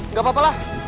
gak apa apa lah